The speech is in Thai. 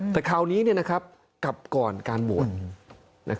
แต่คราวนี้กลับก่อนการโหวต